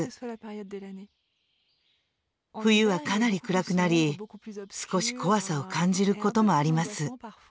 冬はかなり暗くなり少し怖さを感じることもあります。